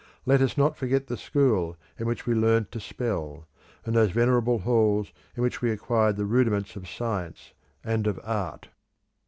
Let us not forget the school in which we learnt to spell, and those venerable halls in which we acquired the rudiments of science and of art.